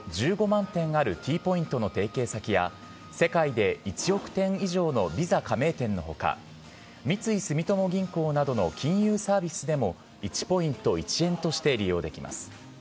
およそ１５万店あるＴポイントの提携先や世界で１億店以上のＶｉｓａ加盟店のほか、三井住友銀行などの金融サービスでも１ポイント１円として利用できます。